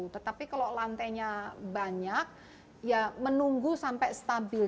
tetapi kalau lantainya banyak ya menunggu sampai stabil